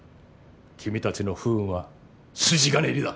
君たちの不運は筋金入りだ。